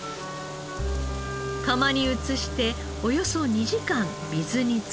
釜に移しておよそ２時間水につけます。